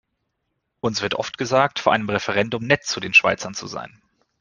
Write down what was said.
Uns wird oft gesagt, vor einem Referendum nett zu den Schweizern zu sein.